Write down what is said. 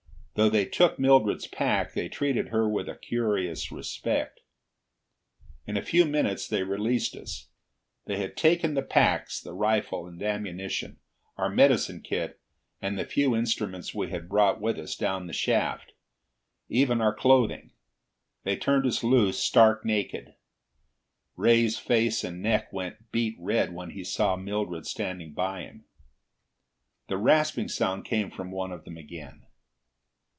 Though they took Mildred's pack, they treated her with a curious respect. In a few minutes they released us. They had taken the packs, the rifle and ammunition, our medicine kit and the few instruments we had brought with us down the shaft, even our clothing. They turned us loose stark naked. Ray's face and neck went beet red when he saw Mildred standing by him. The rasping sound came from one of them again.